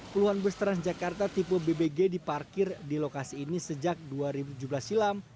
puluhan bus transjakarta tipe bbg diparkir di lokasi ini sejak dua ribu tujuh belas silam